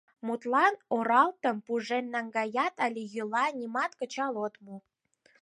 Мутлан, оралтым пужен наҥгаят але йӱла — нимат кычал от му.